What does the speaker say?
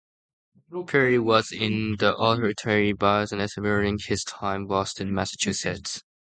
Perry was in the retail business during his time in Boston, Massachusetts.